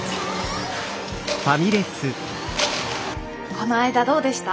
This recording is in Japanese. この間どうでした？